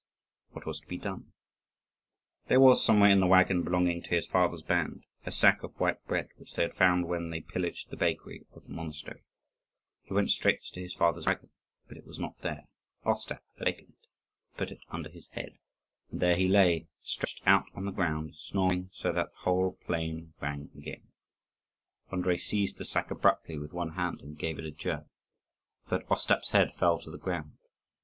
What was to be done? There was, somewhere in the waggon belonging to his father's band, a sack of white bread, which they had found when they pillaged the bakery of the monastery. He went straight to his father's waggon, but it was not there. Ostap had taken it and put it under his head; and there he lay, stretched out on the ground, snoring so that the whole plain rang again. Andrii seized the sack abruptly with one hand and gave it a jerk, so that Ostap's head fell to the ground.